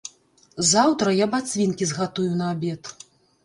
Заўтра я бацвінкі згатую на абед.